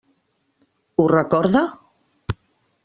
Ho recorda?